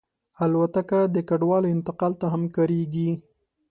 الوتکه د کډوالو انتقال ته هم کارېږي.